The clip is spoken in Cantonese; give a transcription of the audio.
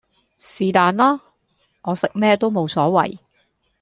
是但啦！我食咩都無所謂